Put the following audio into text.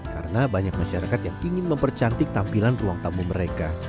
karena banyak masyarakat yang ingin mempercantik tampilan ruang tamu mereka